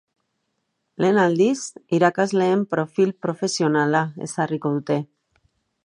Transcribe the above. Lehen aldiz, irakasleen profil profesionala ezarriko dute.